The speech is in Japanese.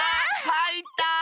はいった！